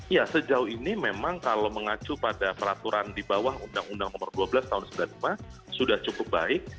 ya sejauh ini memang kalau mengacu pada peraturan di bawah undang undang nomor dua belas tahun seribu sembilan ratus sembilan puluh lima sudah cukup baik